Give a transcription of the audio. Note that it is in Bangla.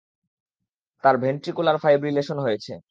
তার ভেন্ট্রিকুলার ফাইব্রিলেশন হয়েছে।